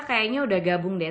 kayaknya udah gabung deh